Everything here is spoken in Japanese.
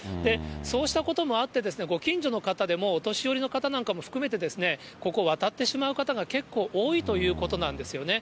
そうしたこともあって、ご近所の方でも、お年寄りの方なんかも含めて、ここ渡ってしまう方が結構多いということなんですよね。